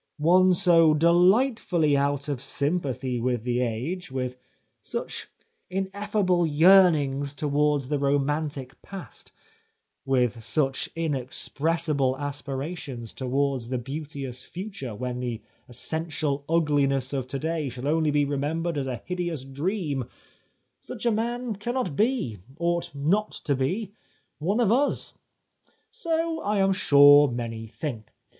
One so deUghtfuUy out of sympathy with 250 The Life of Oscar Wilde the age, with such ineffable yearnings towards the romantic past, with such inexpressible aspirations towards the beauteous future, when the essential ugliness of to day shall only be re membered as a hideous dream, such a man cannot be— ought not to be — one of us. So I am sure many think.